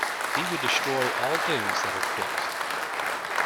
He would destroy all things that are fixed.